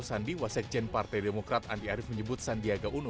sandi wasekjen partai demokrat andi arief menyebut sandiaga uno